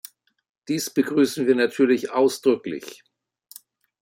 Dies begrüßen wir natürlich ausdrücklich.